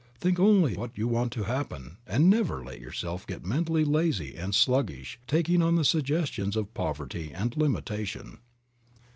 Think only what you want to happen and never let yourself get mentally lazy and sluggish taking on the suggestions of poverty and limitation.